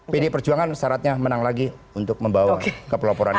pd perjuangan syaratnya menang lagi untuk membawa kepeloporan itu